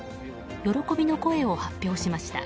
喜びの声を発表しました。